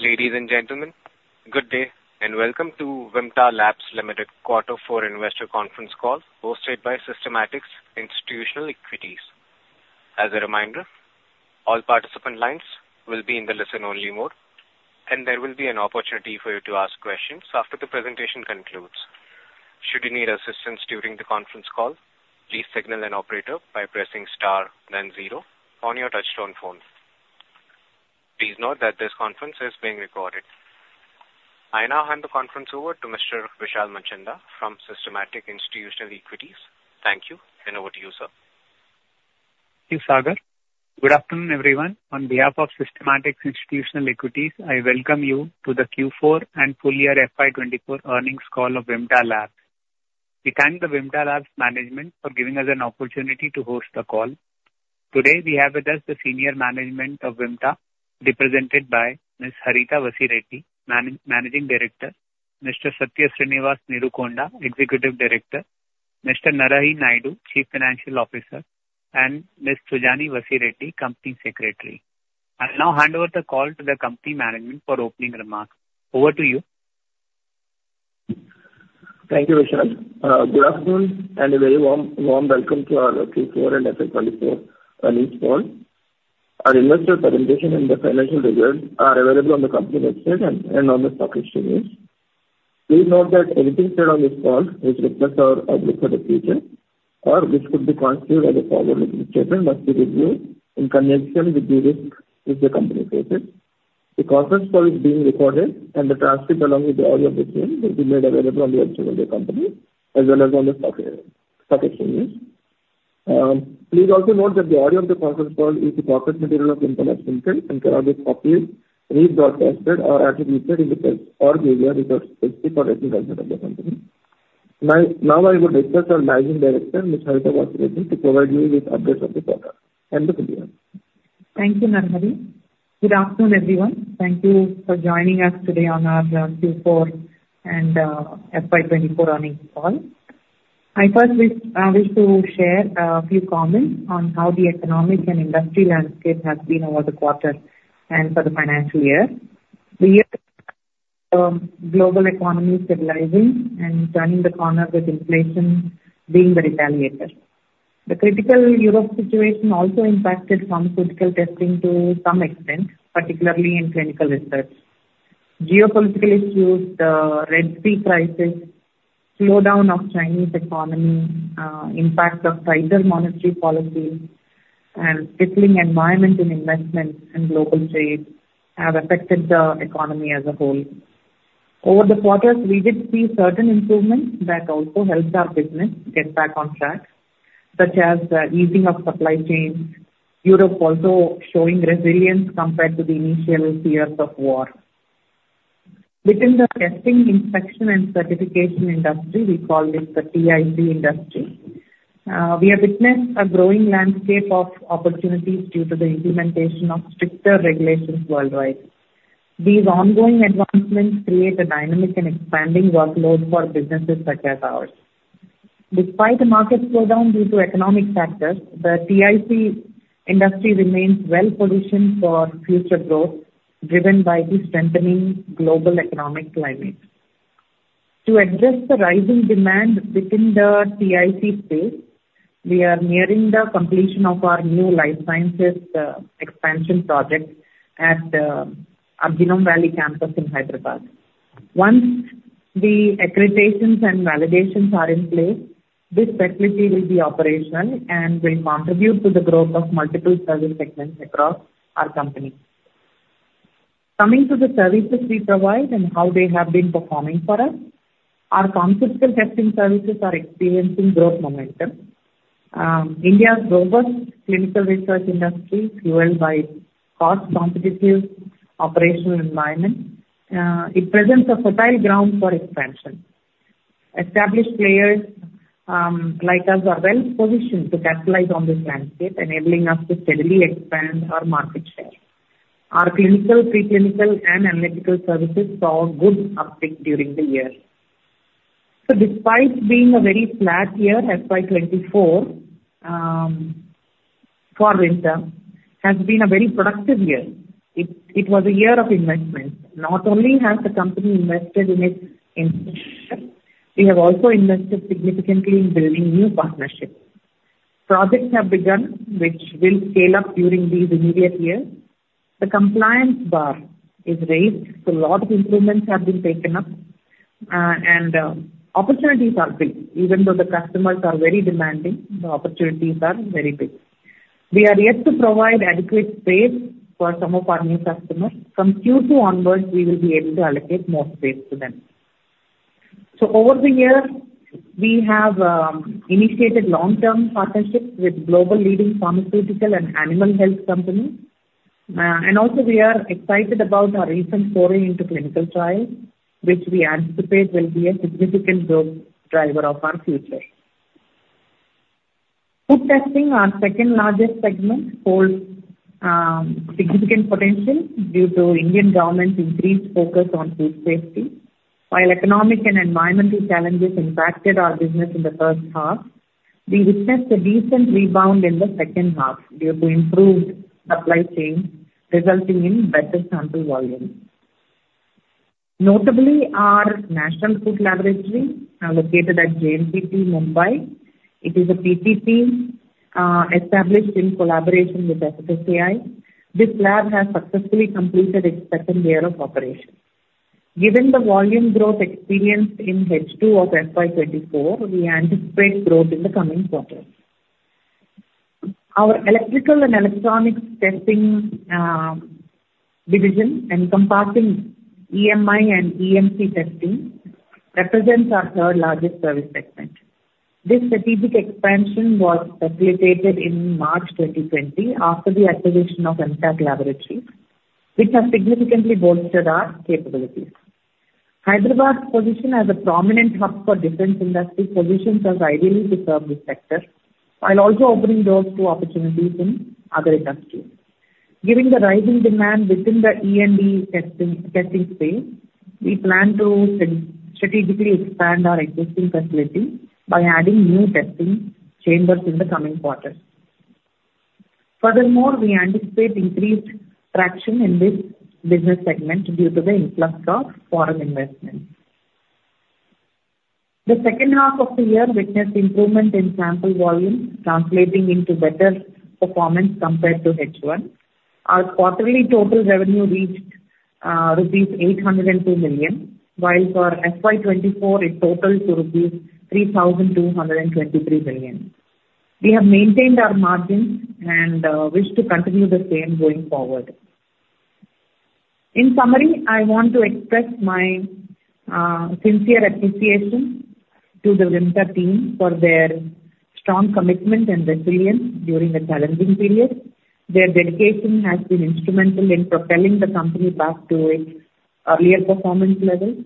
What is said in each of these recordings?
Ladies and gentlemen, good day, and welcome to Vimta Labs Limited Quarter Four Investor Conference Call, hosted by Systematix Institutional Equities. As a reminder, all participant lines will be in the listen-only mode, and there will be an opportunity for you to ask questions after the presentation concludes. Should you need assistance during the conference call, please signal an operator by pressing star then zero on your touchtone phone. Please note that this conference is being recorded. I now hand the conference over to Mr. Vishal Manchanda from Systematix Institutional Equities. Thank you, and over to you, sir. Thank you, Sagar. Good afternoon, everyone. On behalf of Systematix Institutional Equities, I welcome you to the Q4 and full year FY 2024 earnings call of Vimta Labs. We thank the Vimta Labs management for giving us an opportunity to host the call. Today, we have with us the senior management of Vimta, represented by Ms. Harita Vasireddi, Managing Director, Mr. Satya Sreenivas Neerukonda, Executive Director, Mr. Narahari Naidu, Chief Financial Officer, and Ms. Sujani Vasireddi, Company Secretary. I'll now hand over the call to the company management for opening remarks. Over to you. Thank you, Vishal. Good afternoon, and a very warm, warm welcome to our Q4 and FY 2024 earnings call. Our investor presentation and the financial results are available on the company website and on the stock exchange. Please note that anything said on this call, which reflects our outlook for the future or which could be considered as a forward-looking statement, must be reviewed in connection with the risks which the company faces. The conference call is being recorded, and the transcript, along with the audio of the same, will be made available on the website of the company as well as on the stock exchange. Please also note that the audio of the conference call is the corporate material of Vimta Labs and cannot be copied, read, broadcasted, or attributed in the press or media without specific or written consent of the company. Now, now I would request our Managing Director, Ms. Harita Vasireddi, to provide you with updates of the quarter. Hand over to you. Thank you, Narahari. Good afternoon, everyone. Thank you for joining us today on our Q4 and FY 2024 Earnings Call. I first wish, I wish to share a few comments on how the economic and industry landscape has been over the quarter and for the financial year. The year global economy stabilizing and turning the corner with inflation being the retaliator. The critical Europe situation also impacted pharmaceutical testing to some extent, particularly in clinical research. Geopolitical issues, the Red Sea crisis, slowdown of Chinese economy, impacts of tighter monetary policy, and settling environment in investments and global trade have affected the economy as a whole. Over the quarters, we did see certain improvements that also helped our business get back on track, such as the easing of supply chains. Europe also showing resilience compared to the initial fears of war. Within the testing, inspection, and certification industry, we call this the TIC industry. We have witnessed a growing landscape of opportunities due to the implementation of stricter regulations worldwide. These ongoing advancements create a dynamic and expanding workload for businesses such as ours. Despite the market slowdown due to economic factors, the TIC industry remains well positioned for future growth, driven by the strengthening global economic climate. To address the rising demand within the TIC space, we are nearing the completion of our new life sciences expansion project at the Genome Valley campus in Hyderabad. Once the accreditations and validations are in place, this facility will be operational and will contribute to the growth of multiple service segments across our company. Coming to the services we provide and how they have been performing for us, our conceptual testing services are experiencing growth momentum. India's robust clinical research industry, fueled by cost-competitive operational environment, it presents a fertile ground for expansion. Established players, like us, are well positioned to capitalize on this landscape, enabling us to steadily expand our market share. Our clinical, preclinical, and analytical services saw a good uptick during the year. So despite being a very flat year, FY24, for Vimta, has been a very productive year. It was a year of investment. Not only has the company invested in its infrastructure, we have also invested significantly in building new partnerships. Projects have begun, which will scale up during the immediate years. The compliance bar is raised, so a lot of improvements have been taken up, and opportunities are big. Even though the customers are very demanding, the opportunities are very big. We are yet to provide adequate space for some of our new customers. From Q2 onwards, we will be able to allocate more space to them. So over the years, we have initiated long-term partnerships with global leading pharmaceutical and animal health companies. And also, we are excited about our recent foray into clinical trials, which we anticipate will be a significant growth driver of our future. Food testing, our second-largest segment, holds significant potential due to Indian government's increased focus on food safety. While economic and environmental challenges impacted our business in the first half, we witnessed a decent rebound in the second half due to improved supply chain, resulting in better sample volumes. Notably, our National Food Laboratory, located at JNPT, Mumbai, it is a PPP, established in collaboration with FSSAI. This lab has successfully completed its second year of operation. Given the volume growth experienced in H2 of FY 2024, we anticipate growth in the coming quarters. Our electrical and electronics testing division, encompassing EMI and EMC testing, represents our third-largest service segment. This strategic expansion was facilitated in March 2020, after the acquisition of EMTAC Laboratories, which has significantly bolstered our capabilities. Hyderabad's position as a prominent hub for defense industry positions us ideally to serve this sector, while also opening doors to opportunities in other industries. Given the rising demand within the E&E testing space, we plan to strategically expand our existing facility by adding new testing chambers in the coming quarters. Furthermore, we anticipate increased traction in this business segment due to the influx of foreign investments. The second half of the year witnessed improvement in sample volumes, translating into better performance compared to H1. Our quarterly total revenue reached rupees 802 million, while for FY 2024, it totaled to rupees 3,223 million. We have maintained our margins and wish to continue the same going forward. In summary, I want to express my sincere appreciation to the Vimta team for their strong commitment and resilience during the challenging period. Their dedication has been instrumental in propelling the company back to its earlier performance levels.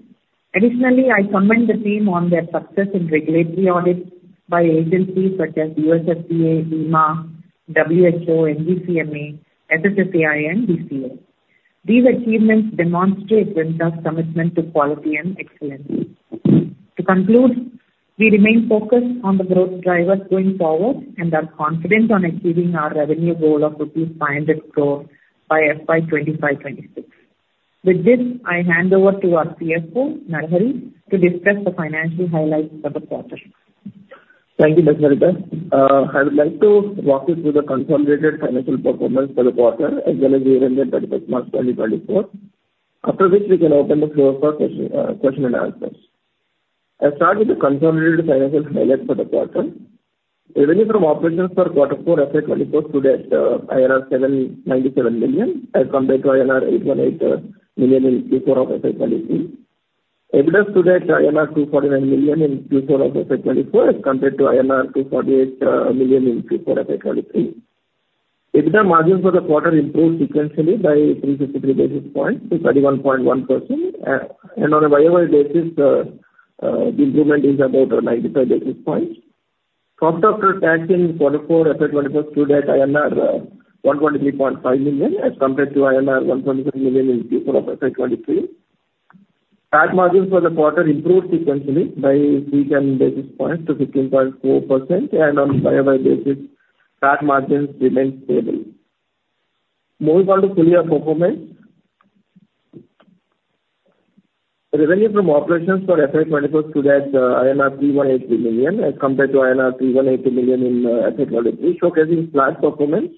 Additionally, I commend the team on their success in regulatory audits by agencies such as USFDA, EMA, WHO, NGCMA, FSSAI, and DCA. These achievements demonstrate Vimta's commitment to quality and excellence. To conclude, we remain focused on the growth drivers going forward and are confident on achieving our revenue goal of rupees 500 crore by FY 2025, 2026. With this, I hand over to our CFO, Narahari, to discuss the financial highlights for the quarter. Thank you, Ms. Harita. I would like to walk you through the consolidated financial performance for the quarter, as well as the year ended 31, March 2024. After which, we can open the floor for question and answers. I'll start with the consolidated financial highlights for the quarter. Revenue from operations for quarter four, FY 2024, stood at 797 million, as compared to 818 million in Q4 of FY 2023. EBITDA stood at 249 million in Q4 of FY 2024, as compared to 248 million in Q4 of FY 2023. EBITDA margin for the quarter improved sequentially by 353 basis points to 31.1%. And on a YOY basis, the improvement is about 95 basis points. Profit after tax in quarter four, FY 2024, stood at 123.5 million, as compared to 125 million in Q4 of FY 2023. PAT margin for the quarter improved sequentially by 310 basis points to 15.4%, and on YOY basis, PAT margins remained stable. Moving on to full year performance. Revenue from operations for FY 2024 stood at 3,183 million, as compared to 3,182 million in FY 2023, showcasing flat performance.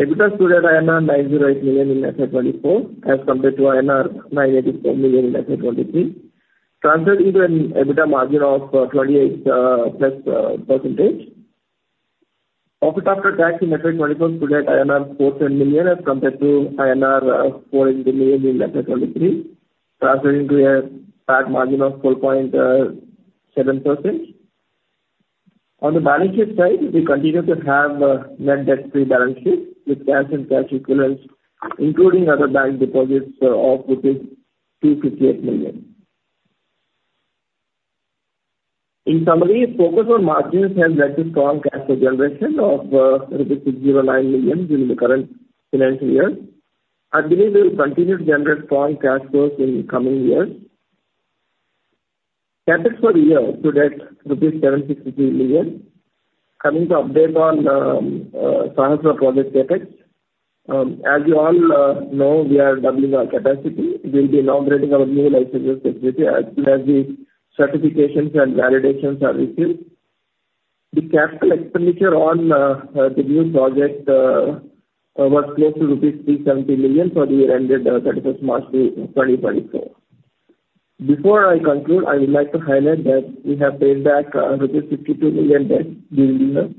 EBITDA stood at 908 million in FY 2024, as compared to 984 million in FY 2023, translating to an EBITDA margin of 28%+. Profit after tax in FY 2024 stood at INR 410 million, as compared to INR 482 million in FY 2023, translating to a PAT margin of 4.7%. On the balance sheet side, we continue to have a net debt-free balance sheet, with cash and cash equivalents, including other bank deposits, of rupees 258 million. In summary, focus on margins have led to strong cash flow generation of INR 609 million during the current financial year. I believe we'll continue to generate strong cash flows in the coming years. CapEx for the year stood at rupees 763 million. Coming to update on financial project CapEx. As you all know, we are doubling our capacity. We'll be inaugurating our new life capacity as soon as the certifications and validations are received. The capital expenditure on the new project was close to rupees 370 million for the year ended thirty-first March 2024. Before I conclude, I would like to highlight that we have paid back rupees 52 million debt during the year.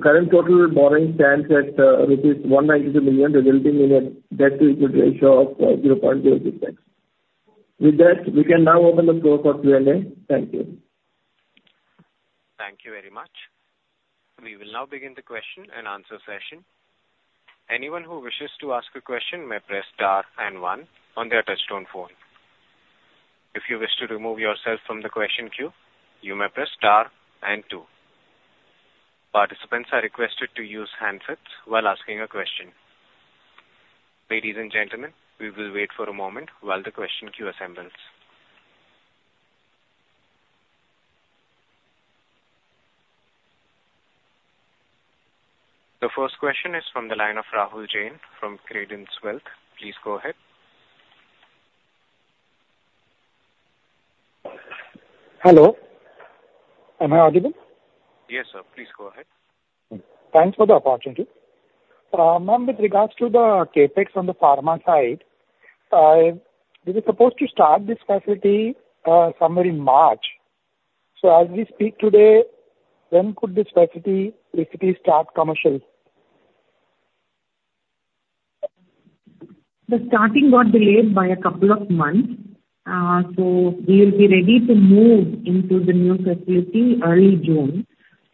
Current total borrowing stands at rupees 192 million, resulting in a debt-to-equity ratio of 0.06 times. With that, we can now open the floor for Q&A. Thank you. Thank you very much. We will now begin the question and answer session. Anyone who wishes to ask a question may press star and one on their touchtone phone. If you wish to remove yourself from the question queue, you may press star and two. Participants are requested to use handsets while asking a question. Ladies and gentlemen, we will wait for a moment while the question queue assembles. The first question is from the line of Rahul Jain from Credence Wealth. Please go ahead. Hello, am I audible? Yes, sir. Please go ahead. Thanks for the opportunity. Ma'am, with regards to the CapEx on the pharma side, we were supposed to start this facility somewhere in March. So as we speak today, when could this facility basically start commercial? The starting got delayed by a couple of months. So we will be ready to move into the new facility early June.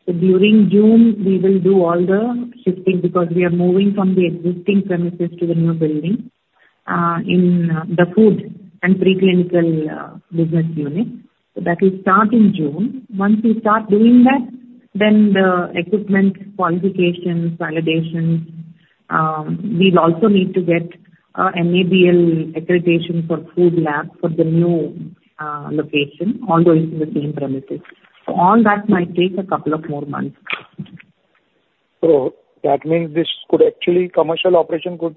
So during June, we will do all the shifting, because we are moving from the existing premises to the new building, in the food and preclinical business unit. So that will start in June. Once we start doing that, then the equipment qualifications, validations, we'll also need to get, an NABL accreditation for food lab for the new location, although it's in the same premises. So all that might take a couple of more months. So that means this could actually, commercial operation could,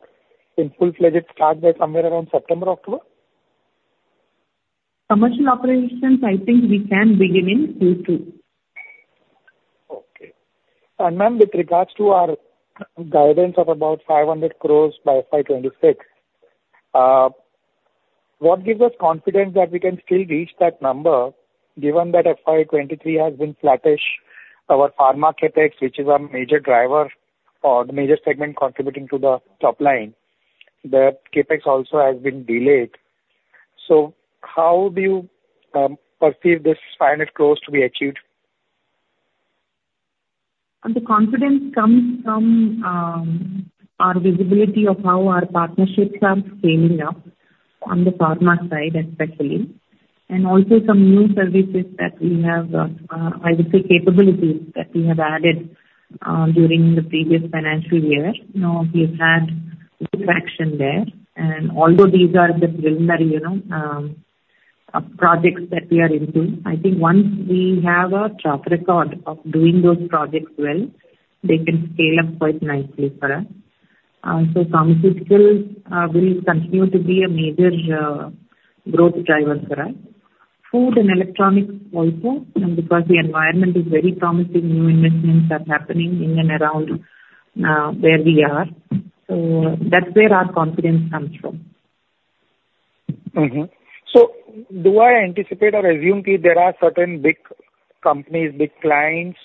in full-fledged, start by somewhere around September, October? Commercial operations, I think we can begin in Q2. Okay. And, ma'am, with regards to our guidance of about 500 crore by FY 2026, what gives us confidence that we can still reach that number, given that FY 2023 has been flattish? Our pharma CapEx, which is our major driver or the major segment contributing to the top line, the CapEx also has been delayed. So how do you perceive this INR 500 crore to be achieved? The confidence comes from our visibility of how our partnerships are scaling up on the pharma side, especially, and also some new services that we have, I would say, capabilities that we have added during the previous financial year. Now, we've had good traction there, and although these are just preliminary, you know, projects that we are into, I think once we have a track record of doing those projects well, they can scale up quite nicely for us. So pharmaceutical will continue to be a major growth driver for us. Food and electronics also, and because the environment is very promising, new investments are happening in and around where we are. So that's where our confidence comes from. Mm-hmm. So do I anticipate or assume that there are certain big companies, big clients,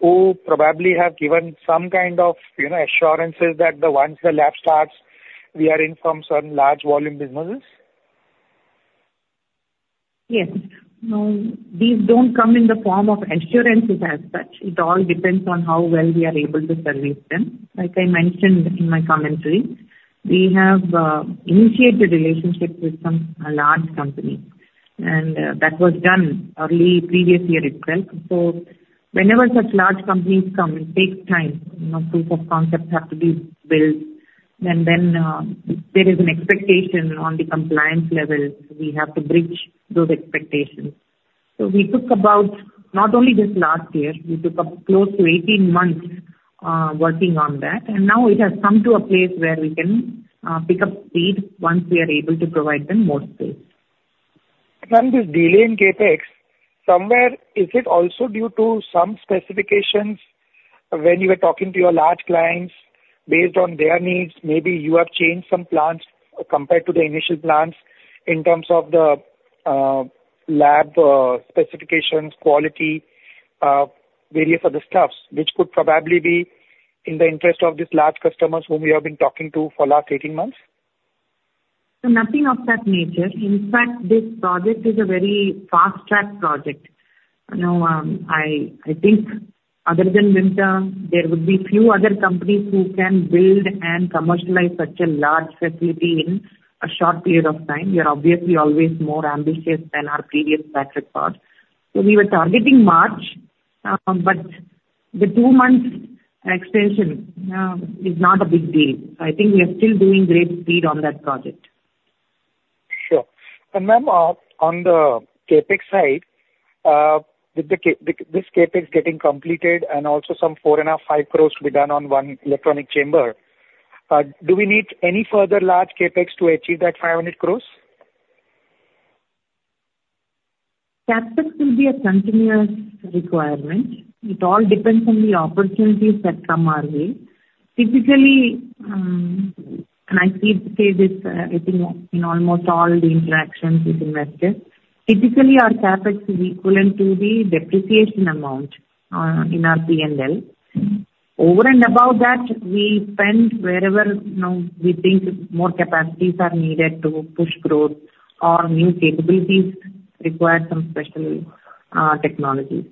who probably have given some kind of, you know, assurances that once the lab starts, we are in from certain large volume businesses? Yes. No, these don't come in the form of assurances as such. It all depends on how well we are able to service them. Like I mentioned in my commentary, we have initiated relationships with some large companies, and that was done early previous year itself. So whenever such large companies come, it takes time. You know, proof of concepts have to be built, and then there is an expectation on the compliance level. We have to bridge those expectations. So we took about, not only this last year, we took up close to 18 months working on that, and now it has come to a place where we can pick up speed once we are able to provide them more space. Ma'am, this delay in CapEx, somewhere is it also due to some specifications when you are talking to your large clients based on their needs? Maybe you have changed some plans compared to the initial plans in terms of the lab specifications, quality, various other stuffs, which could probably be in the interest of these large customers whom we have been talking to for last 18 months? So nothing of that nature. In fact, this project is a very fast-track project. You know, I think other than Winter, there would be few other companies who can build and commercialize such a large facility in a short period of time. We are obviously always more ambitious than our previous track record. So we were targeting March, but the two months extension is not a big deal. I think we are still doing great speed on that project. Sure. And, ma'am, on the CapEx side, with this CapEx getting completed and also some 4.5-5 crores to be done on one electronic chamber, do we need any further large CapEx to achieve that 500 crores? CapEx will be a continuous requirement. It all depends on the opportunities that come our way. Typically, and I keep saying this, I think in almost all the interactions with investors, typically our CapEx is equivalent to the depreciation amount, in our P&L. Mm-hmm. Over and above that, we spend wherever, you know, we think more capacities are needed to push growth or new capabilities require some special technologies.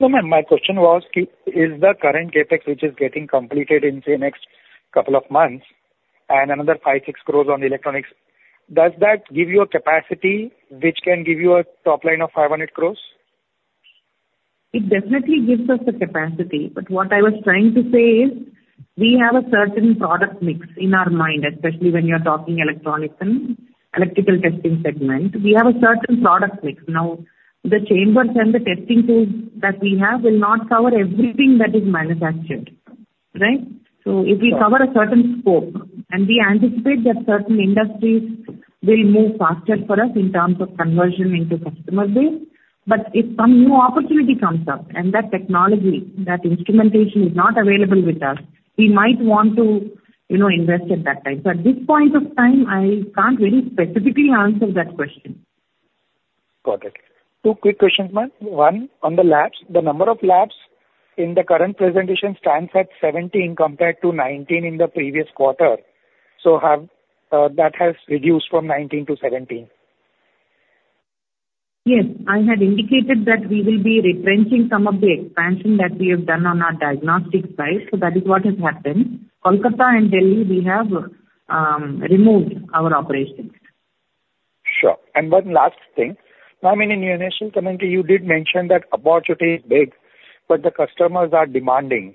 No, ma'am, my question was, is the current CapEx, which is getting completed in, say, next couple of months and another 5-6 crore on the electronics. Does that give you a capacity which can give you a top line of 500 crore? It definitely gives us the capacity, but what I was trying to say is, we have a certain product mix in our mind, especially when you're talking electronics and electrical testing segment. We have a certain product mix. Now, the chambers and the testing tools that we have will not cover everything that is manufactured, right? So it will cover a certain scope, and we anticipate that certain industries will move faster for us in terms of conversion into customer base. But if some new opportunity comes up and that technology, that instrumentation is not available with us, we might want to, you know, invest at that time. So at this point of time, I can't really specifically answer that question. Got it. Two quick questions, ma'am. One, on the labs. The number of labs in the current presentation stands at 17 compared to 19 in the previous quarter. So have, that has reduced from 19 to 17. Yes. I had indicated that we will be retrenching some of the expansion that we have done on our diagnostic side, so that is what has happened. Kolkata and Delhi, we have removed our operations. Sure. One last thing. Ma'am, in your initial commentary, you did mention that opportunity is big, but the customers are demanding.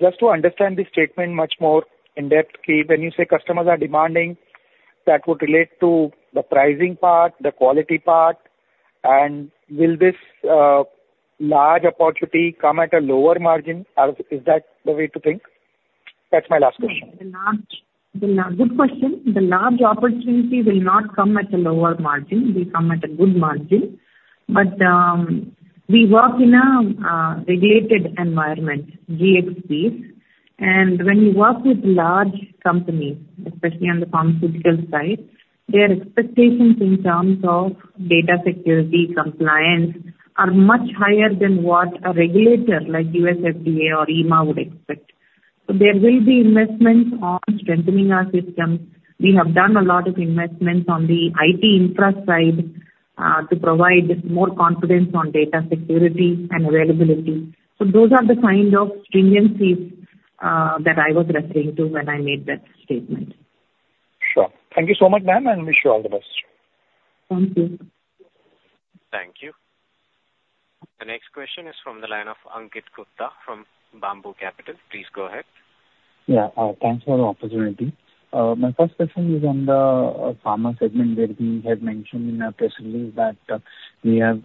Just to understand this statement much more in depth, key, when you say customers are demanding, that would relate to the pricing part, the quality part, and will this large opportunity come at a lower margin? Is that the way to think? That's my last question. Good question. The large opportunity will not come at a lower margin. It will come at a good margin. But, we work in a, regulated environment, GxPs, and when you work with large companies, especially on the pharmaceutical side, their expectations in terms of data security compliance are much higher than what a regulator like USFDA or EMA would expect. So there will be investments on strengthening our systems. We have done a lot of investments on the IT infra side, to provide more confidence on data security and availability. So those are the kind of stringencies, that I was referring to when I made that statement. Sure. Thank you so much, ma'am, and wish you all the best. Thank you. Thank you. The next question is from the line of Ankit Gupta from Bamboo Capital. Please go ahead. Yeah. Thanks for the opportunity. My first question is on the pharma segment, where we had mentioned in our press release that we have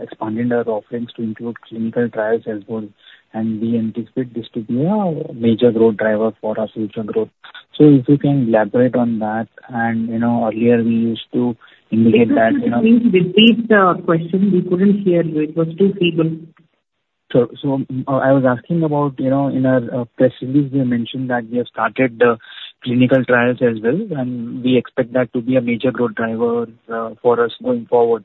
expanded our offerings to include clinical trials as well, and we anticipate this to be a major growth driver for our future growth. So if you can elaborate on that, and you know, earlier we used to indicate that, you know- Please repeat, question. We couldn't hear you. It was too feeble. So, I was asking about, you know, in our press release, we mentioned that we have started clinical trials as well, and we expect that to be a major growth driver for us going forward.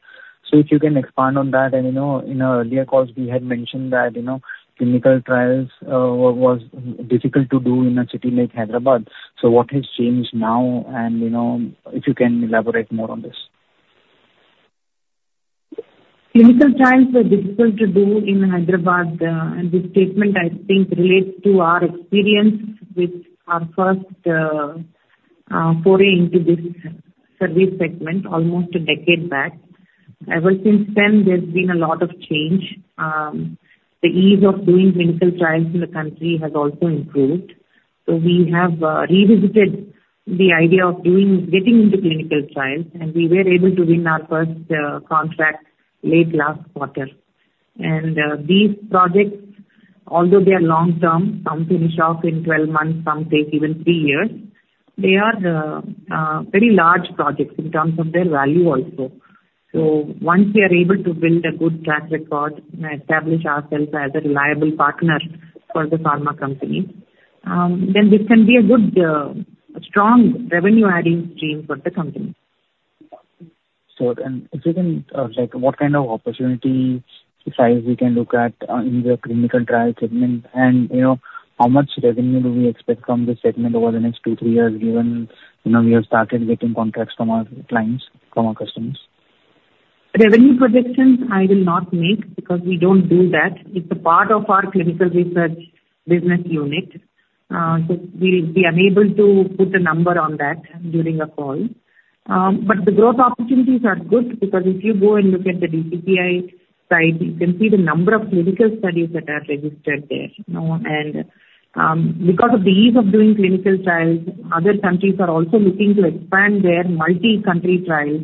So if you can expand on that, and, you know, in our earlier calls, we had mentioned that, you know, clinical trials were difficult to do in a city like Hyderabad. So what has changed now? And, you know, if you can elaborate more on this. Clinical trials were difficult to do in Hyderabad, and this statement, I think, relates to our experience with our first foray into this service segment almost a decade back. Ever since then, there's been a lot of change. The ease of doing clinical trials in the country has also improved. So we have revisited the idea of getting into clinical trials, and we were able to win our first contract late last quarter. And these projects, although they are long term, some finish off in 12 months, some take even 3 years. They are very large projects in terms of their value also. So once we are able to build a good track record and establish ourselves as a reliable partner for the pharma company, then this can be a good strong revenue-adding stream for the company. Sure, and if you can, like, what kind of opportunity size we can look at in the clinical trial segment? And, you know, how much revenue do we expect from this segment over the next 2-3 years, given, you know, we have started getting contracts from our clients, from our customers? Revenue projections I will not make because we don't do that. It's a part of our clinical research business unit. So we'll be unable to put a number on that during a call. But the growth opportunities are good, because if you go and look at the DCGI site, you can see the number of clinical studies that are registered there, you know. And, because of the ease of doing clinical trials, other countries are also looking to expand their multi-country trials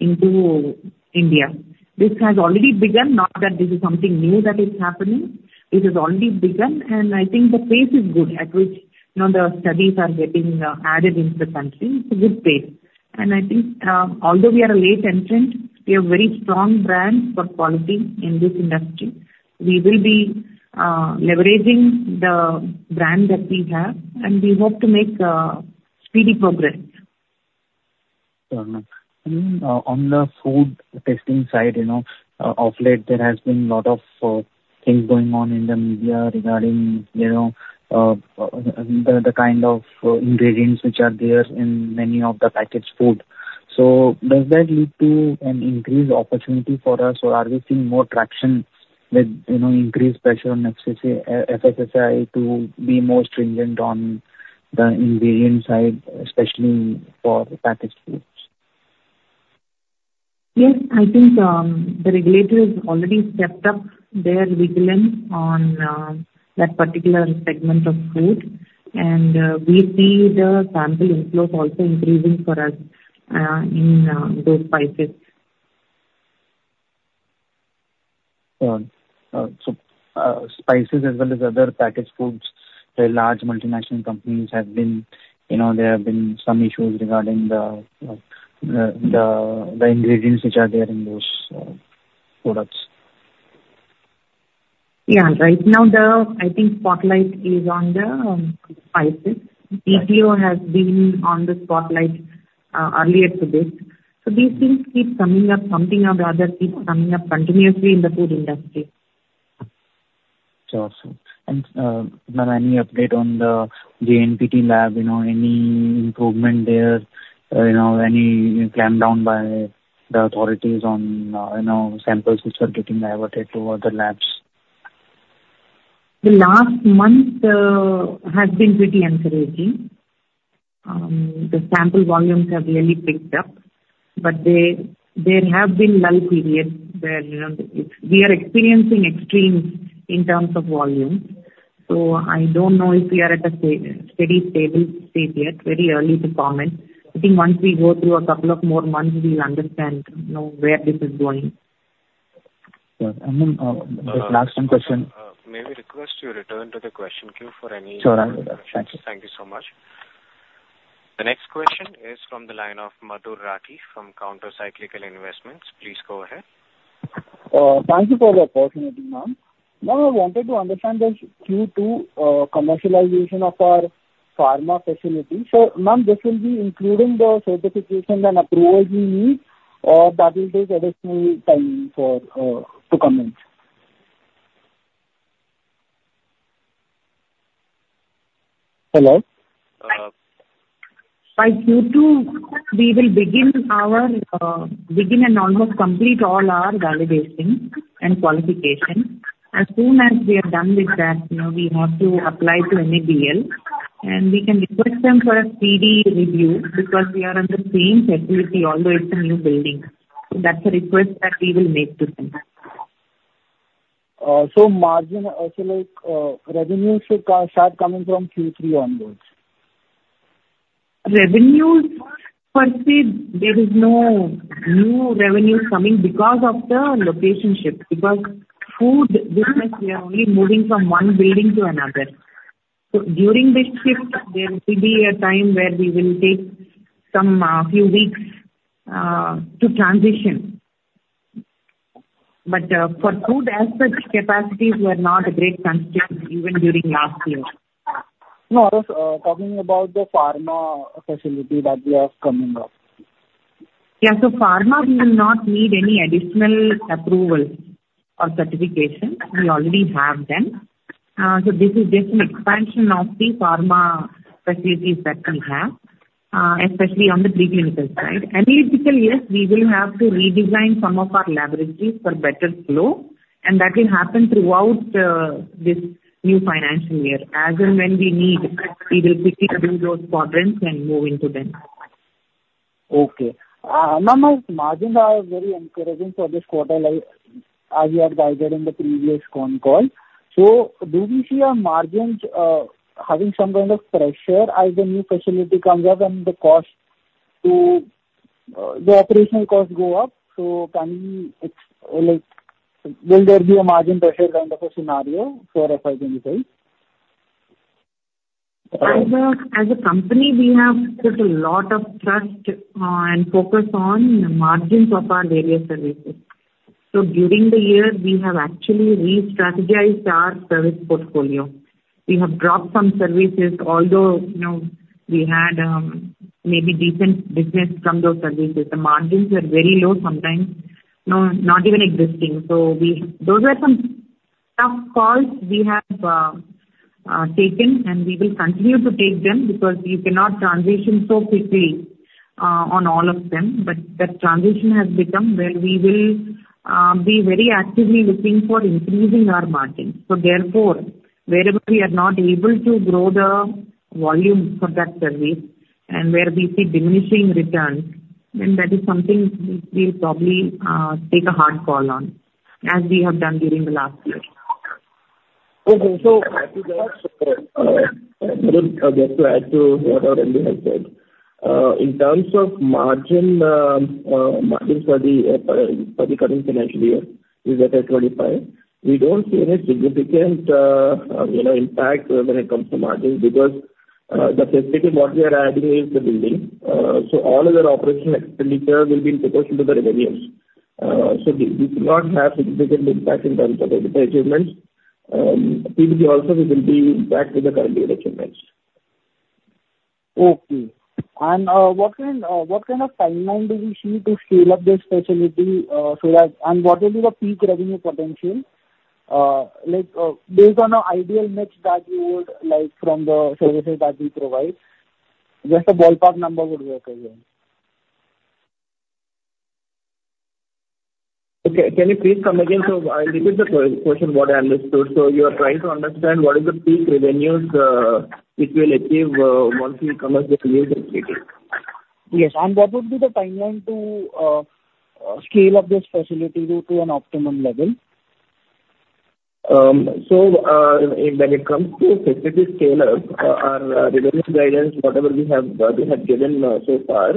into India. This has already begun, not that this is something new that is happening. It has already begun, and I think the pace is good at which, you know, the studies are getting added into the country. It's a good pace. And I think, although we are a late entrant, we have very strong brand for quality in this industry. We will be leveraging the brand that we have, and we hope to make speedy progress. Sure, ma'am. And, on the food testing side, you know, of late, there has been a lot of things going on in the media regarding, you know, the kind of ingredients which are there in many of the packaged food.... So does that lead to an increased opportunity for us, or are we seeing more traction with, you know, increased pressure on FSSAI to be more stringent on the ingredient side, especially for packaged foods? Yes, I think the regulators already stepped up their vigilance on that particular segment of food, and we see the sample inflows also increasing for us in those spices. So, spices as well as other packaged foods, the large multinational companies have been. You know, there have been some issues regarding the ingredients which are there in those products. Yeah. Right now, I think the spotlight is on the spices. EPO has been on the spotlight earlier to this. So these things keep coming up, something or the other keeps coming up continuously in the food industry. Sure. So, and, ma'am, any update on the JNPT lab? You know, any improvement there, you know, any clampdown by the authorities on, you know, samples which are getting diverted to other labs? The last month has been pretty encouraging. The sample volumes have really picked up, but there have been lull periods where, you know, it's we are experiencing extremes in terms of volumes. So I don't know if we are at a steady, stable state yet. Very early to comment. I think once we go through a couple of more months, we'll understand, you know, where this is going. Sure. And then, just last one question. May we request you return to the question queue for any- Sure, thank you. Thank you so much. The next question is from the line of Madhur Rathi from Counter Cyclical Investments. Please go ahead. Thank you for the opportunity, ma'am. Ma'am, I wanted to understand this Q2 commercialization of our pharma facility. So, ma'am, this will be including the certification and approval we need, or that will take additional time for to come in? Hello? By Q2, we will begin our and almost complete all our validations and qualifications. As soon as we are done with that, you know, we have to apply to NABL, and we can request them for a speedy review because we are in the same facility, although it's a new building. So that's a request that we will make to them. So margin, so, like, revenues should start coming from Q3 onwards? Revenues, per se, there is no new revenues coming because of the location shift, because food business, we are only moving from one building to another. So during this shift, there will be a time where we will take some, few weeks, to transition. But, for food as such, capacities were not a great constraint even during last year. No, I was talking about the pharma facility that we are coming up. Yeah. So pharma will not need any additional approvals or certifications. We already have them. So this is just an expansion of the pharma facilities that we have, especially on the preclinical side. Analytical, yes, we will have to redesign some of our laboratories for better flow, and that will happen throughout this new financial year. As and when we need, we will quickly build those quadrants and move into them. Okay. Ma'am, our margins are very encouraging for this quarter, like, as you had guided in the previous con call. So do we see our margins having some kind of pressure as the new facility comes up and the costs to the operational costs go up? So can we— It's, like, will there be a margin pressure kind of a scenario for FY 2022? As a company, we have put a lot of trust and focus on margins of our various services. So during the year, we have actually restrategized our service portfolio. We have dropped some services, although, you know, we had maybe decent business from those services. The margins were very low, sometimes, you know, not even existing. Those are some tough calls we have taken, and we will continue to take them, because you cannot transition so quickly on all of them. But the transition has become where we will be very actively looking for increasing our margins. So therefore, wherever we are not able to grow the volume for that service and where we see diminishing returns, then that is something we, we'll probably take a hard call on, as we have done during the last year. Okay, so, just to add to what Renu has said. In terms of margin, margins for the current financial year is at 25%. We don't see any significant, you know, impact when it comes to margins because the facility what we are adding is the building. So all other operational expenditure will be in proportion to the revenues. So we, we do not have significant impact in terms of the achievements. PBT also we will be back to the current year achievements. Okay. What kind of timeline do we see to scale up this facility so that... And what will be the peak revenue potential? Like, based on an ideal mix that you would like from the services that we provide, just a ballpark number would work again. Okay. Can you please come again? So I, this is the question what I understood. So you are trying to understand what is the peak revenues it will achieve once we commence the new facility? Yes, and what would be the timeline to scale up this facility to an optimum level? So, when it comes to facility scale-up, our revenue guidance, whatever we have, we have given so far,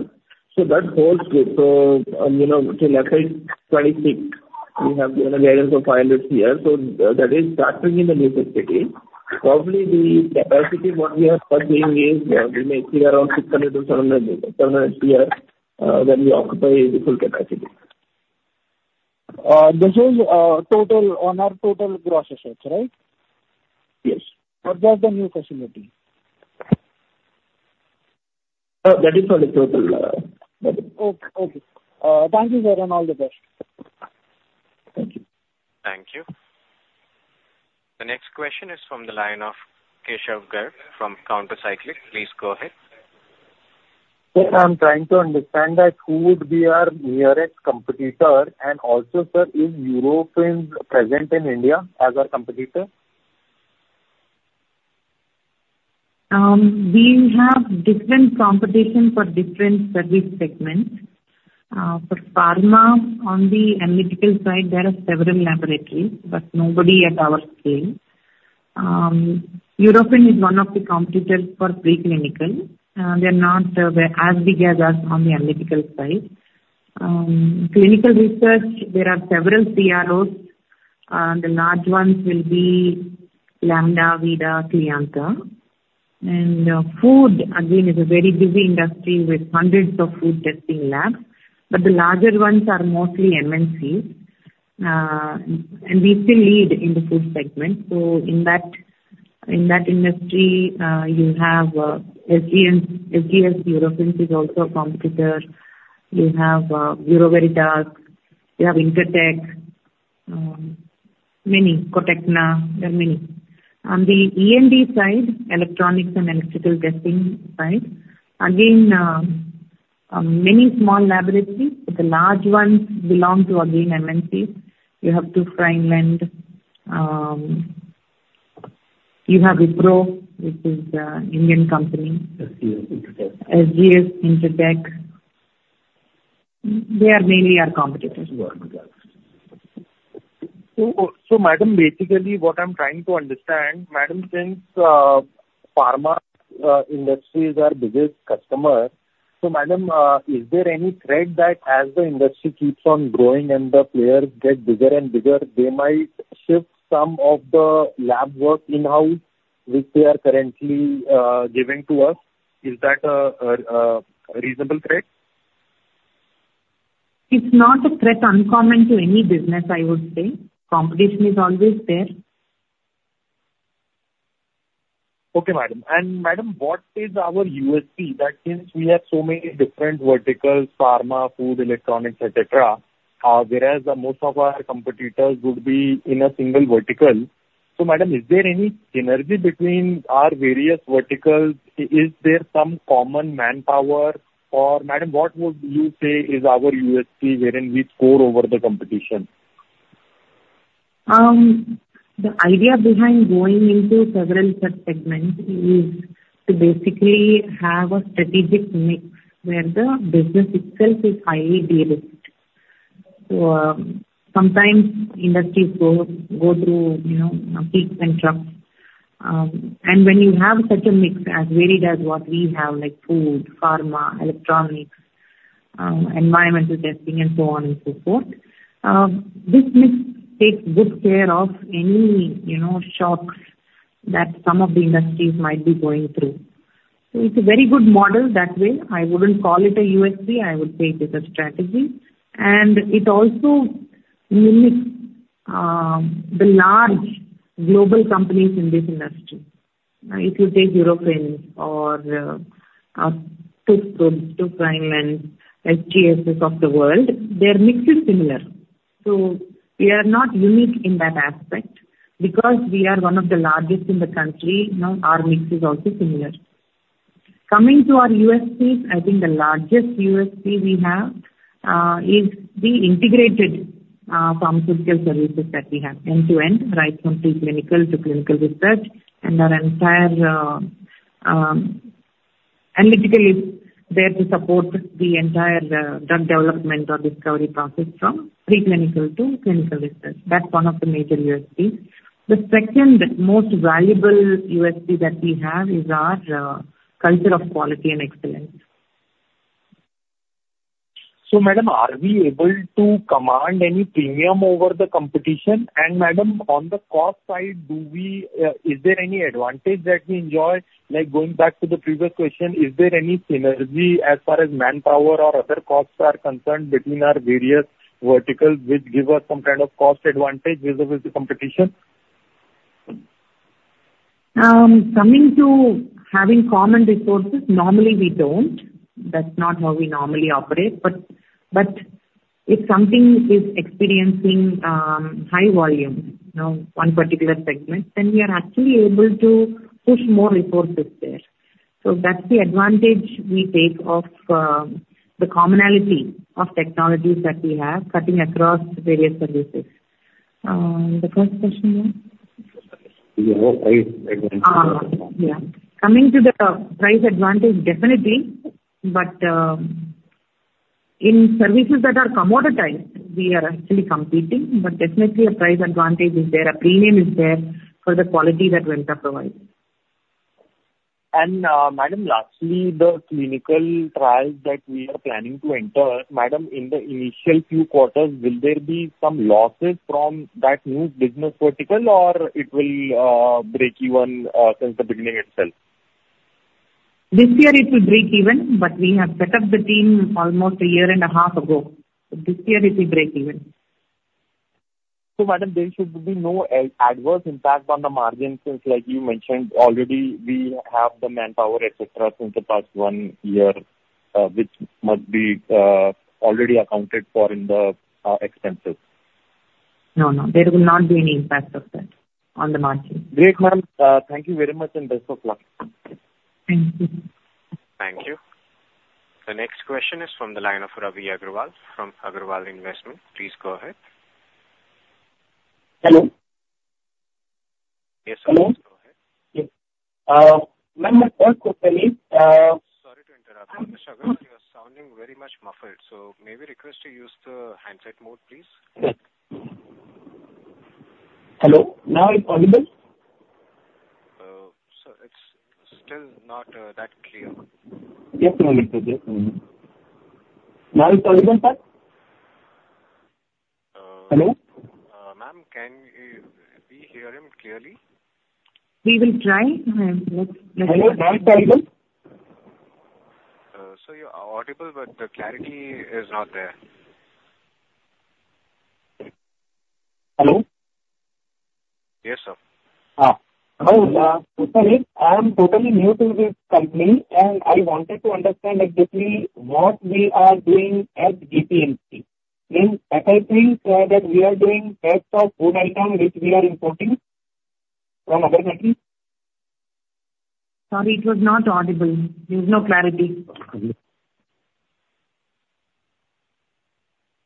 so that holds good. So, you know, till April 2026, we have given a guidance of 500 Crores. So that is starting in the new facility. Probably the capacity what we have for being is, you know, we may see around 600-700, 700 PS, when we occupy the full capacity. This is total on our total gross assets, right? Yes. Or just the new facility. That is for the total. Okay. Thank you, sir, and all the best. Thank you. Thank you. The next question is from the line of Keshav Garg from Counter Cyclic. Please go ahead. Sir, I'm trying to understand that who would be our nearest competitor, and also, sir, is Eurofins present in India as our competitor? We have different competition for different service segments. For pharma, on the analytical side, there are several laboratories, but nobody at our scale. Eurofins is one of the competitors for preclinical. They're not as big as us on the analytical side. Clinical research, there are several CROs. The large ones will be Lambda, Veeda, Cliantha. Food, again, is a very busy industry with hundreds of food testing labs, but the larger ones are mostly MNCs. We still lead in the food segment. So in that industry, you have SGS. Eurofins is also a competitor. You have Bureau Veritas, you have Intertek, many, Cotecna, there are many. On the E&D side, electronics and electrical testing side, again, many small laboratories, but the large ones belong to, again, MNCs. You have TÜV Rheinland, you have Wipro, which is a Indian company. SGS, Intertek. SGS, Intertek. They are mainly our competitors. So, madam, basically what I'm trying to understand, madam, since pharma industries are biggest customer, so, madam, is there any threat that as the industry keeps on growing and the players get bigger and bigger, they might shift some of the lab work in-house, which they are currently giving to us? Is that a reasonable threat? It's not a threat uncommon to any business, I would say. Competition is always there. Okay, madam. And, madam, what is our USP? That means we have so many different verticals, pharma, food, electronics, et cetera, whereas most of our competitors would be in a single vertical. So, madam, is there any synergy between our various verticals? Is there some common manpower? Or, madam, what would you say is our USP wherein we score over the competition? The idea behind going into several such segments is to basically have a strategic mix, where the business itself is highly de-risked. So, sometimes industries go through, you know, peaks and troughs. And when you have such a mix as varied as what we have, like food, pharma, electronics, environmental testing, and so on and so forth, this mix takes good care of any, you know, shocks that some of the industries might be going through. So it's a very good model that way. I wouldn't call it a USP, I would say it is a strategy, and it also mimics the large global companies in this industry. Now, if you take Eurofins or TÜV Rheinland, SGS's of the world, their mix is similar. So we are not unique in that aspect. Because we are one of the largest in the country, you know, our mix is also similar. Coming to our USPs, I think the largest USP we have is the integrated pharmaceutical services that we have, end-to-end, right from preclinical to clinical research. And our entire analytical is there to support the entire drug development or discovery process from preclinical to clinical research. That's one of the major USPs. The second most valuable USP that we have is our culture of quality and excellence. So, madam, are we able to command any premium over the competition? And, madam, on the cost side, do we... is there any advantage that we enjoy? Like, going back to the previous question, is there any synergy as far as manpower or other costs are concerned between our various verticals, which give us some kind of cost advantage vis-a-vis the competition? Coming to having common resources, normally we don't. That's not how we normally operate. But if something is experiencing high volume, you know, one particular segment, then we are actually able to push more resources there. So that's the advantage we take of the commonality of technologies that we have cutting across various services. The first question was? We have price advantage. Coming to the price advantage, definitely. But, in services that are commoditized, we are actually competing, but definitely a price advantage is there. A premium is there for the quality that Vimta provides. Madam, lastly, the clinical trials that we are planning to enter, madam, in the initial few quarters, will there be some losses from that new business vertical, or it will break even since the beginning itself? This year it will break even, but we have set up the team almost a year and a half ago. This year it will break even. So, madam, there should be no adverse impact on the margin, since, like you mentioned, already we have the manpower, etc., since the past one year, which must be already accounted for in the expenses. No, no, there will not be any impact of that on the margin. Great, ma'am. Thank you very much, and best of luck. Thank you. Thank you. The next question is from the line of Ravi Agarwal, from Agarwal Investment. Please go ahead. Hello? Yes, sir. Hello. Go ahead. Ma'am, my first question is, Sorry to interrupt, Mr. Agarwal. You are sounding very much muffled, so may we request you use the handset mode, please? Yes. Hello, now it's audible? Sir, it's still not that clear. Just a moment, please. Mm-hmm. Now it's audible, sir? Uh- Hello? Ma'am, can we hear him clearly? We will try. Let me- Hello, now it's audible? Sir, you are audible, but the clarity is not there. Hello? Yes, sir. Hello, my question is, I am totally new to this company, and I wanted to understand exactly what we are doing at JNPT. I mean, as I think, that we are doing test of food item, which we are importing from other country? Sorry, it was not audible. There's no clarity.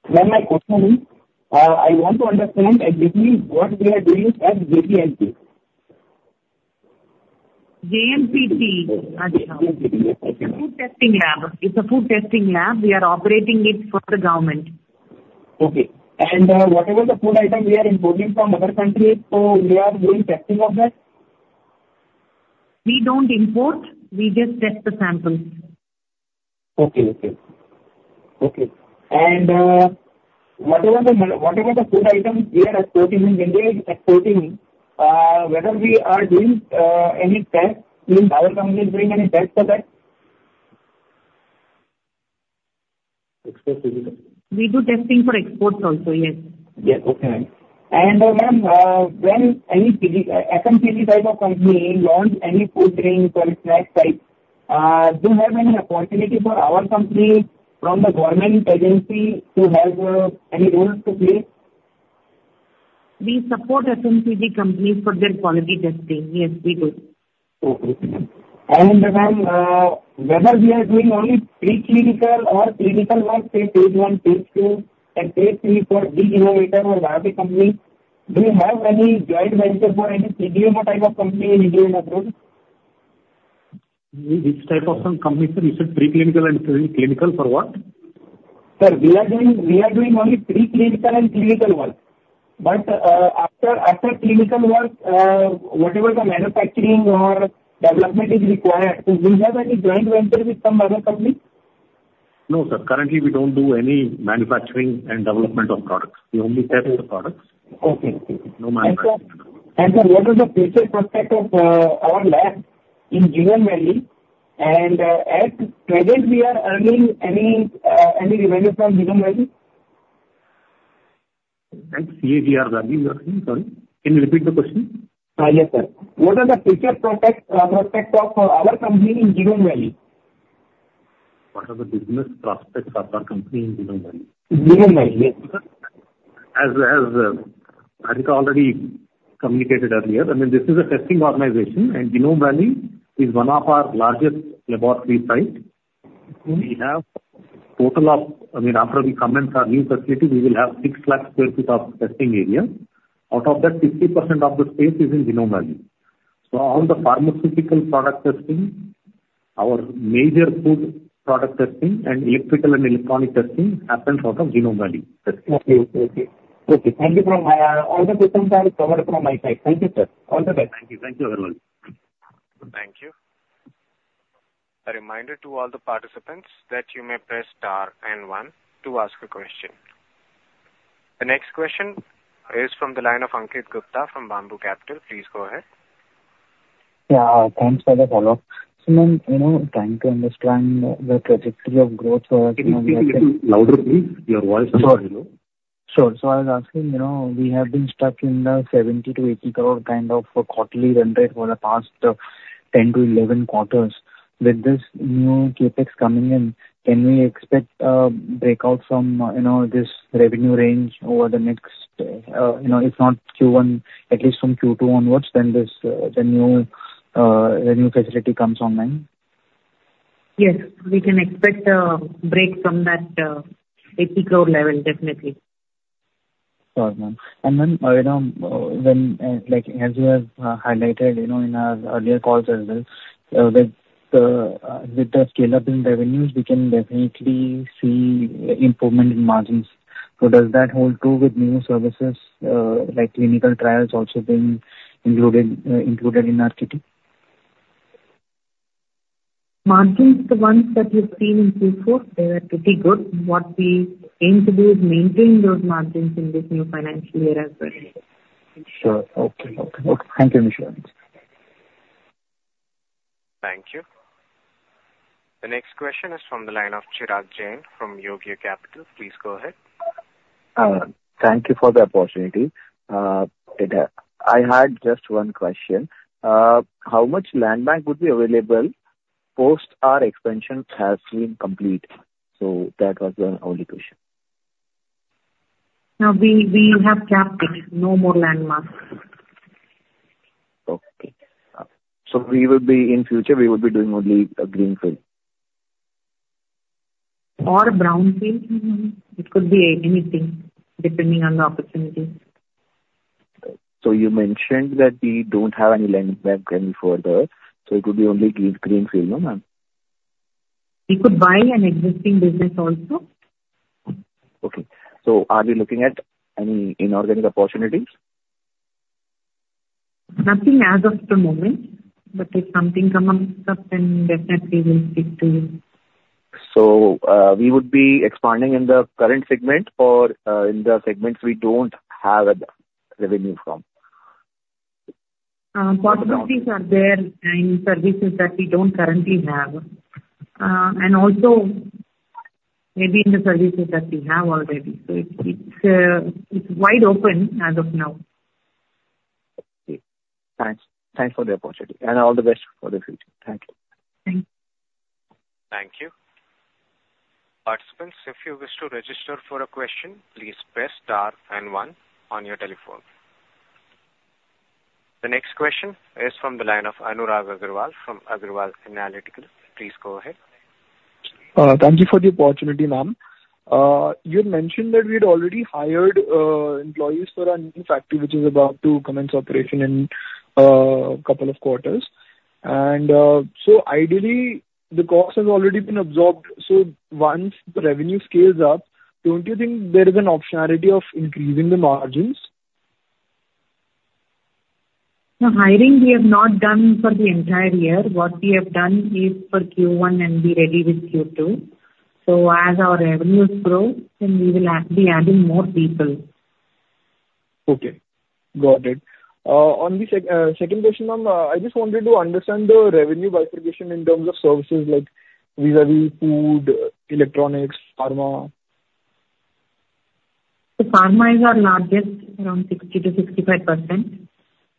Ma'am, my question is, I want to understand exactly what we are doing at JNPT. JNPT? Yes, JNPT. Food testing lab. It's a food testing lab. We are operating it for the government. Okay. Whatever the food item we are importing from other countries, so we are doing testing of that? We don't import. We just test the samples. Okay. Okay. Okay. And, whatever the food items we are exporting, in India is exporting, whether we are doing any test, means our company is doing any test for that? Export testing. We do testing for exports also, yes. Yes, okay, ma'am. And, ma'am, when any PG, FMCG type of company launch any food range or snack type, do you have any opportunity for our company from the government agency to have any roles to play? We support FMCG companies for their quality testing. Yes, we do. Okay. And, ma'am, whether we are doing only preclinical or clinical work, say, phase I, phase II, and phase III for the innovator or larger company, do you have any joint venture for any CDMO type of company in India or abroad? Which type of some company, sir? You said preclinical and clinical, for what? Sir, we are doing only preclinical and clinical work. But, after clinical work, whatever the manufacturing or development is required, do you have any joint venture with some other company? No, sir. Currently, we don't do any manufacturing and development of products. We only test the products. Okay. No manufacturing. Sir, what is the future prospect of our lab in Genome Valley? At present, we are earning any revenue from Genome Valley? CAGR value we are seeing. Sorry, can you repeat the question? Yes, sir. What are the future prospects of our company in Genome Valley? What are the business prospects of our company in Genome Valley? Genome Valley, yes. Harita already communicated earlier, I mean, this is a testing organization, and Genome Valley is one of our largest laboratory sites. Mm-hmm. We have total of... I mean, after we commence our new facility, we will have 600,000 sq ft of testing area. Out of that, 50% of the space is in Genome Valley. So all the pharmaceutical product testing, our major food product testing, and electrical and electronic testing happens out of Genome Valley. Okay, okay. Okay, thank you. All the questions are covered from my side. Thank you, sir. All the best. Thank you. Thank you very much. Thank you. A reminder to all the participants that you may press star and one to ask a question. The next question is from the line of Ankit Gupta from Bamboo Capital. Please go ahead. Yeah, thanks for the follow-up. So then, you know, trying to understand the trajectory of growth for- Can you speak a little louder, please? Your voice is low.... Sure. So I was asking, you know, we have been stuck in the 70-80 crore kind of a quarterly run rate for the past 10-11 quarters. With this new CapEx coming in, can we expect a breakout from, you know, this revenue range over the next, you know, if not Q1, at least from Q2 onwards, then this, the new, the new facility comes online? Yes, we can expect a break from that, INR 80 crore level, definitely. Sure, ma'am. And then, you know, like, as you have highlighted, you know, in our earlier calls as well, with the scale-up in revenues, we can definitely see improvement in margins. So does that hold true with new services, like clinical trials also being included in RCT? Margins, the ones that you've seen in Q4, they were pretty good. What we aim to do is maintain those margins in this new financial year as well. Sure. Okay, okay. Okay, thank you, Nishima. Thank you. The next question is from the line of Chirag Jain from Yogya Capital. Please go ahead. Thank you for the opportunity. I had just one question. How much land bank would be available post our expansion has been complete? So that was the only question. Now, we have capped it. No more land bank. Okay. So we will be in future, we will be doing only a greenfield? Or a brownfield. Mm-hmm. It could be anything, depending on the opportunity. So, you mentioned that we don't have any land bank any further, so it would be only green, greenfield, no, ma'am? We could buy an existing business also. Okay. So are we looking at any inorganic opportunities? Nothing as of the moment, but if something comes up, then definitely we'll speak to you. So, we would be expanding in the current segment or in the segments we don't have a revenue from? Possibilities are there in services that we don't currently have, and also maybe in the services that we have already. So it's wide open as of now. Okay. Thanks. Thanks for the opportunity, and all the best for the future. Thank you. Thank you. Thank you. Participants, if you wish to register for a question, please press star and one on your telephone. The next question is from the line of Anurag Agarwal from Agarwal Analytical Investments. Please go ahead. Thank you for the opportunity, ma'am. You had mentioned that we had already hired employees for our new factory, which is about to commence operation in couple of quarters. And so ideally, the cost has already been absorbed. So once the revenue scales up, don't you think there is an optionality of increasing the margins? The hiring we have not done for the entire year. What we have done is for Q1, and we're ready with Q2. So as our revenues grow, then we will be adding more people. Okay, got it. On the second question, ma'am, I just wanted to understand the revenue bifurcation in terms of services like vis-à-vis food, electronics, pharma. So pharma is our largest, around 60%-65%,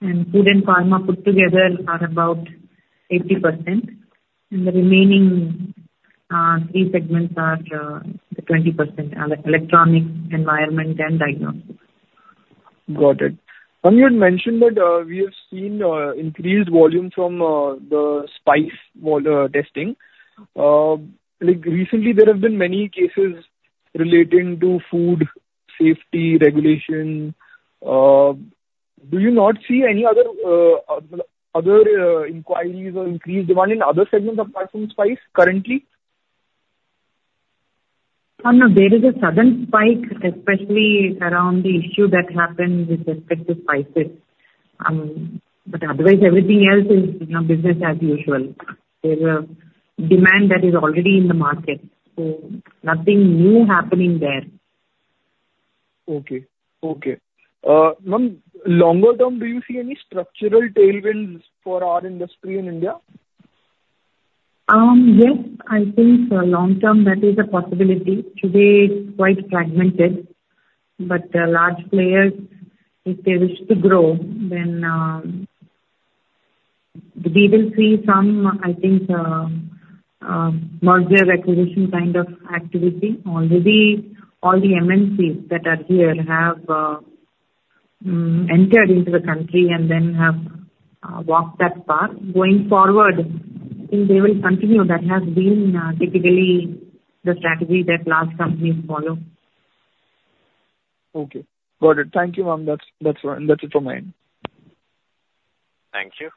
and food and pharma put together are about 80%, and the remaining three segments are the 20%, electronics, environment and diagnostics. Got it. Ma'am, you had mentioned that we have seen increased volume from the spice vol testing. Like, recently, there have been many cases relating to food safety regulation. Do you not see any other inquiries or increased demand in other segments apart from spice currently? No, there is a sudden spike, especially around the issue that happened with respect to spices. But otherwise, everything else is, you know, business as usual. There's a demand that is already in the market, so nothing new happening there. Okay. Okay. Ma'am, longer term, do you see any structural tailwinds for our industry in India? Yes, I think for long term, that is a possibility. Today, it's quite fragmented, but, large players, if they wish to grow, then, we will see some, I think, merger acquisition kind of activity. Already, all the MNCs that are here have, entered into the country and then have, walked that path. Going forward, I think they will continue. That has been, typically the strategy that large companies follow. Okay. Got it. Thank you, ma'am. That's it from my end. Thank you.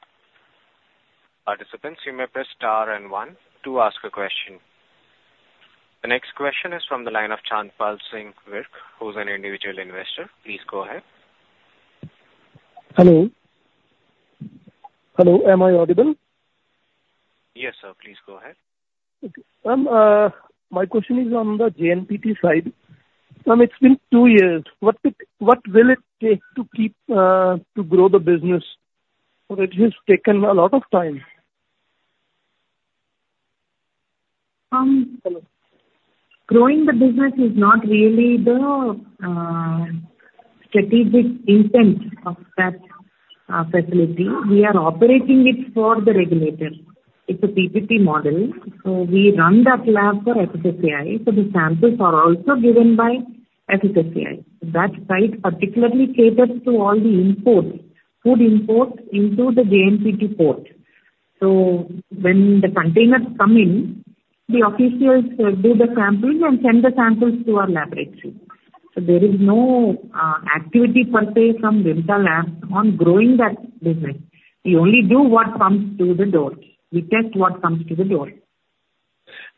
Participants, you may press star and one to ask a question. The next question is from the line of Chandpal Singh Virk, who is an individual investor. Please go ahead. Hello? Hello, am I audible? Yes, sir. Please go ahead. Okay. Ma'am, my question is on the JNPT side. Ma'am, it's been two years. What will it take to keep, to grow the business? So it has taken a lot of time. Growing the business is not really the strategic intent of that facility. We are operating it for the regulator. It's a PPP model, so we run that lab for FSSAI, so the samples are also given by FSSAI. That site particularly caters to all the imports, food imports into the JNPT port. So when the containers come in, the officials do the sampling and send the samples to our laboratory. So there is no activity per se from Vimta Labs on growing that business. We only do what comes to the door. We test what comes to the door.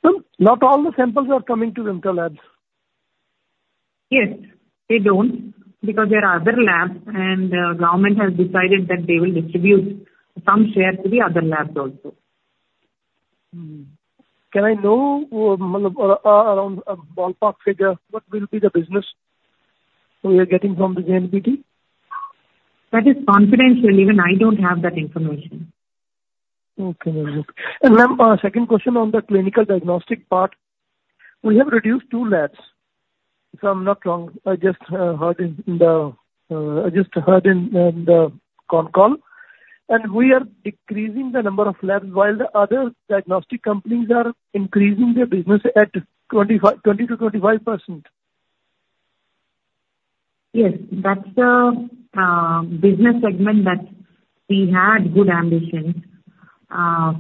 Ma'am, not all the samples are coming to Vimta Labs? Yes, they don't. Because there are other labs, and government has decided that they will distribute some share to the other labs also. Can I know, around a ballpark figure, what will be the business we are getting from the JNPT? That is confidential. Even I don't have that information. Okay, ma'am. Ma'am, second question on the clinical diagnostic part. We have reduced 2 labs, if I'm not wrong. I just heard in the con call, and we are decreasing the number of labs, while the other diagnostic companies are increasing their business at 25, 20%-25%. Yes. That's the business segment that we had good ambitions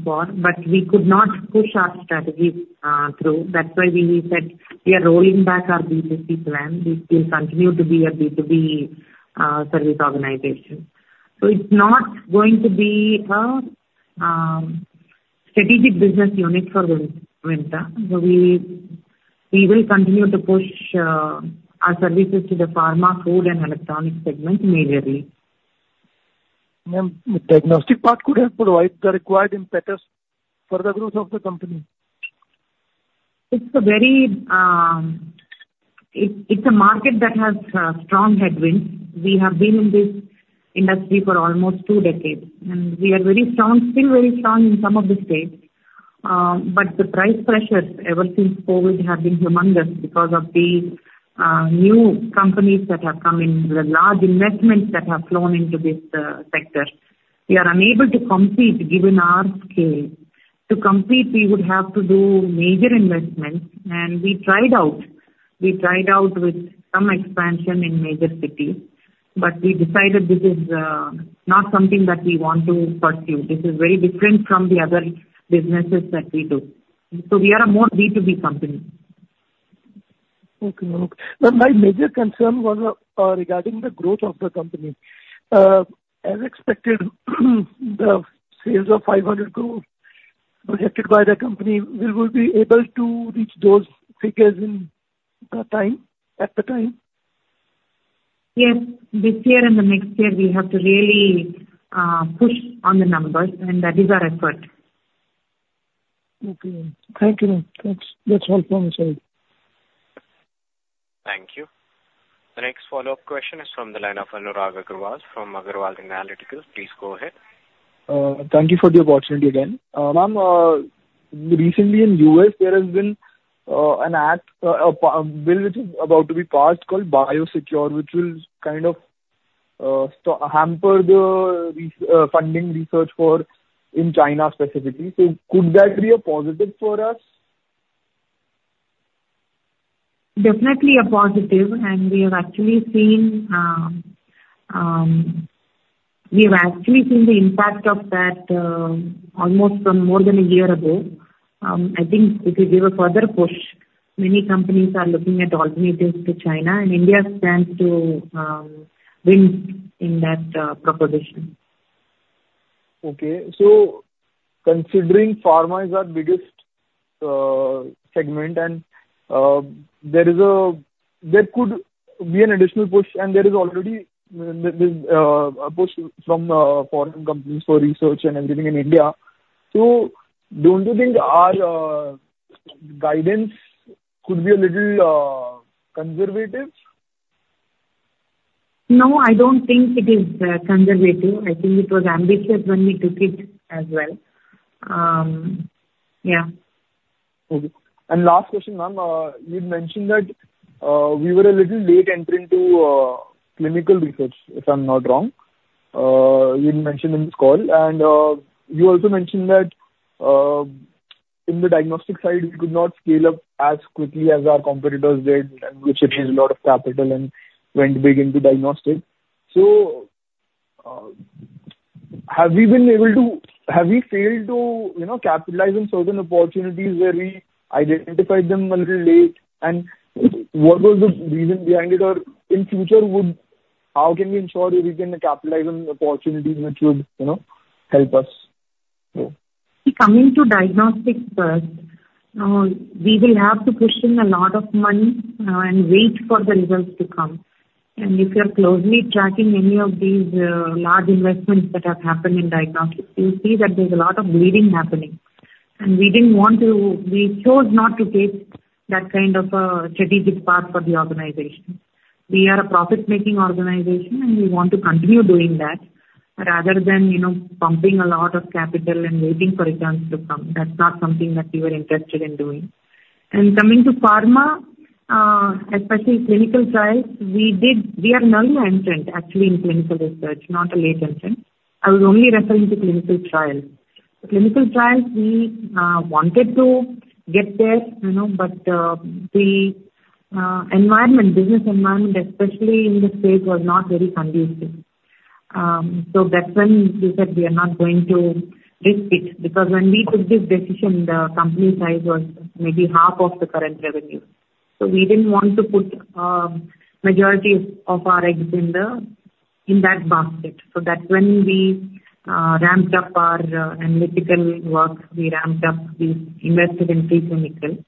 for, but we could not push our strategy through. That's why we said we are rolling back our B2C plan. We will continue to be a B2B service organization. So it's not going to be a strategic business unit for Vimta. So we will continue to push our services to the Pharma, Food and Electronics segment majorly. Ma'am, the diagnostic part could have provided the required impetus for the growth of the company. It's a very... It's a market that has strong headwinds. We have been in this industry for almost two decades, and we are very strong, still very strong in some of the states. But the price pressures ever since COVID have been humongous because of the new companies that have come in, the large investments that have flown into this sector. We are unable to compete given our scale. To compete, we would have to do major investments, and we tried out. We tried out with some expansion in major cities, but we decided this is not something that we want to pursue. This is very different from the other businesses that we do, so we are a more B2B company. Okay, ma'am. But my major concern was regarding the growth of the company. As expected, the sales of 500 crore projected by the company, will we be able to reach those figures in the time, at the time? Yes. This year and the next year, we have to really push on the numbers, and that is our effort. Okay. Thank you, ma'am. That's, that's all from my side. Thank you. The next follow-up question is from the line of Anurag Agarwal from Agarwal Analytical. Please go ahead. Thank you for the opportunity again. Ma'am, recently in the U.S., there has been an act, a bill, which is about to be passed, called BIOSECURE, which will kind of hamper the research funding in China specifically. So could that be a positive for us? Definitely a positive, and we have actually seen the impact of that almost from more than a year ago. I think it will give a further push. Many companies are looking at alternatives to China, and India stands to win in that proposition. Okay. So considering pharma is our biggest segment and there could be an additional push, and there is already a push from foreign companies for research and everything in India. So don't you think our guidance could be a little conservative? No, I don't think it is conservative. I think it was ambitious when we took it as well. Yeah. Okay. Last question, ma'am. You'd mentioned that we were a little late entering to clinical research, if I'm not wrong. You'd mentioned in this call, and you also mentioned that in the diagnostic side, we could not scale up as quickly as our competitors did, and which raised a lot of capital and went big into diagnostics. So, have we been able to? Have we failed to, you know, capitalize on certain opportunities where we identified them a little late? And what was the reason behind it, or in future, how can we ensure we can capitalize on the opportunities which would, you know, help us? So... Coming to diagnostics first, we will have to push in a lot of money, and wait for the results to come. If you are closely tracking any of these, large investments that have happened in diagnostics, you'll see that there's a lot of bleeding happening. We didn't want to. We chose not to take that kind of a strategic path for the organization. We are a profit-making organization, and we want to continue doing that, rather than, you know, pumping a lot of capital and waiting for a chance to come. That's not something that we were interested in doing. Coming to pharma, especially clinical trials, we did. We are an early entrant actually in clinical research, not a late entrant. I was only referring to clinical trials. Clinical trials, we wanted to get there, you know, but the environment, business environment, especially in the States, was not very conducive. So that's when we said we are not going to risk it, because when we took this decision, the company size was maybe half of the current revenue. So we didn't want to put majority of our eggs in the in that basket. So that's when we ramped up our analytical work. We ramped up, we invested in pre-clinical.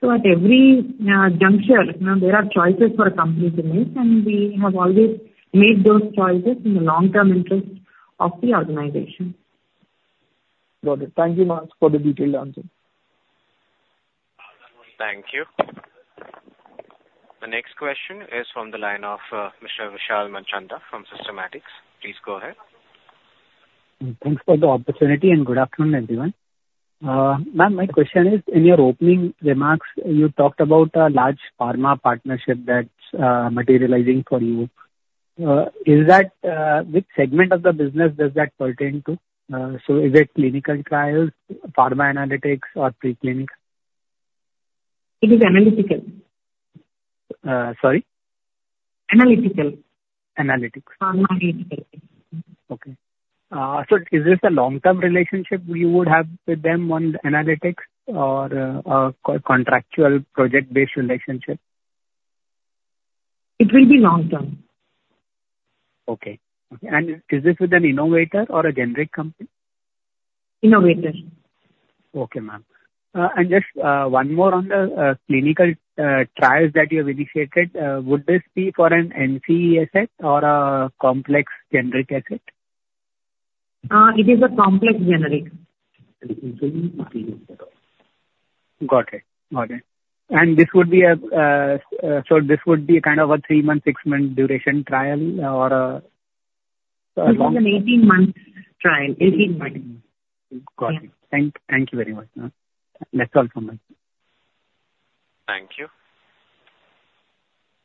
So at every juncture, you know, there are choices for a company to make, and we have always made those choices in the long-term interest of the organization. Got it. Thank you, ma'am, for the detailed answer. Thank you. The next question is from the line of Mr. Vishal Manchanda from Systematix. Please go ahead. Thanks for the opportunity, and good afternoon, everyone. Ma'am, my question is, in your opening remarks, you talked about a large pharma partnership that's materializing for you. Is that which segment of the business does that pertain to? So is it clinical trials, pharma analytics, or pre-clinical? It is analytical. Uh, sorry? Analytical. Analytics. Analytical. Okay. So is this a long-term relationship you would have with them on the analytics or a contractual project-based relationship? It will be long term. Okay. Okay, and is this with an innovator or a generic company? Innovator. Okay, ma'am. And just one more on the clinical trials that you have initiated. Would this be for an NCE asset or a complex generic asset? It is a complex generic. Got it. Got it. This would be kind of a 3-month, 6-month duration trial or long- It is an 18-month trial. 18 months. Got it. Yeah. Thank you very much, ma'am. That's all from me. Thank you.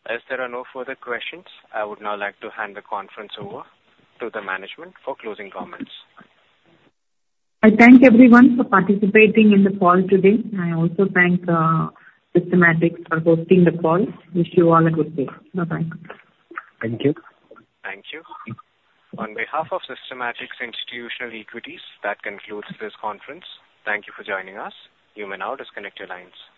As there are no further questions, I would now like to hand the conference over to the management for closing comments. I thank everyone for participating in the call today, and I also thank Systematix for hosting the call. Wish you all a good day. Bye-bye. Thank you. Thank you. On behalf of Systematix Institutional Equities, that concludes this conference. Thank you for joining us. You may now disconnect your lines.